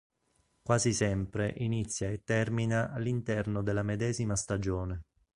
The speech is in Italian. Quasi sempre inizia e termina all'interno della medesima stagione.